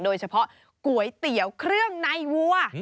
โดยเฉพาะก๋วยเตี๋ยวเครื่องในวัว